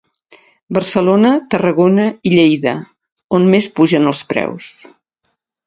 Barcelona, Tarragona i Lleida, on més pugen els preus.